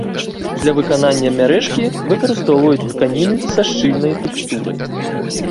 Для выканання мярэжкі выкарыстоўваюць тканіны са шчыльнай тэкстурай.